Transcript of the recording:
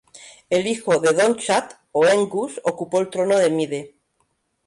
El hijo de Donnchad, Óengus ocupó el trono de Mide.